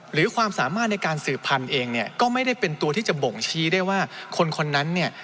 หรือความสามารถในการสืบพันธุ์เองเนี่ยก็ไม่ได้เป็นตัวที่จะบ่งชี้ได้ว่าคนคนนั้นเนี่ย